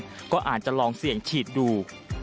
เราอาจจะลองเสี่ยงฉีดดู